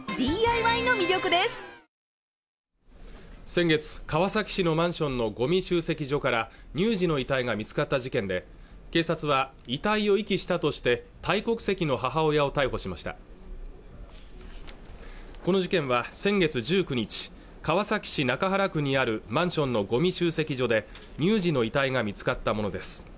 先月川崎市のマンションのごみ集積場から乳児の遺体が見つかった事件で警察は遺体を遺棄したとしてタイ国籍の母親を逮捕しましたこの事件は先月１９日川崎市中原区にあるマンションのゴミ集積所で乳児の遺体が見つかったものです